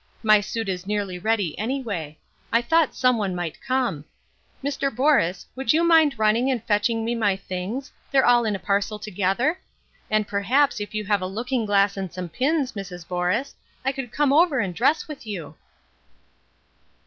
My suit is nearly ready anyway; I thought some one might come. Mr. Borus, would you mind running and fetching me my things, they're all in a parcel together? And perhaps if you have a looking glass and some pins, Mrs. Borus, I could come over and dress with you."